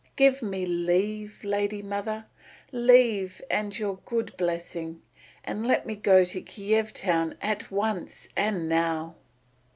Give me leave, lady mother, leave and your good blessing, and let me go to Kiev town at once and now."